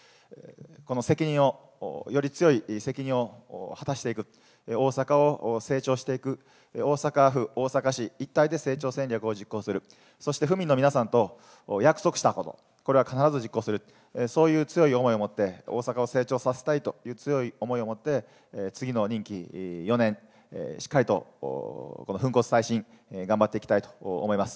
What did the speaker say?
この責任を、より強い責任を果たしていく、大阪を成長していく、大阪府、大阪市一体で成長戦略を実行する、そして府民の皆さんと約束したこと、これは必ず実行する、そういう強い思いを持って、大阪を成長させたいという強い思いを持って次の任期４年、しっかりと粉骨砕身、頑張っていきたいと思います。